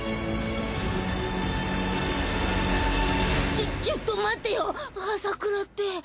ちょちょっと待ってよ麻倉って。